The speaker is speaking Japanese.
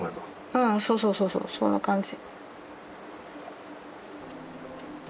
うんそうそうそうそうそんな感じ。